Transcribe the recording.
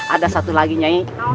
ada satu lagi nyai